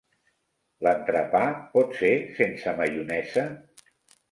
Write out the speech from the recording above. L'entrepà pot ser sense maionesa?